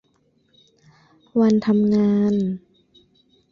วันทำงาน